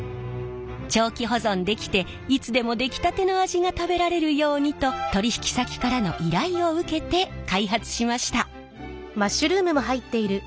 長期保存できていつでも出来たての味が食べられるようにと取引先からの依頼を受けて開発しました。